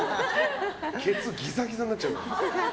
ケツ、ギザギザになっちゃうから。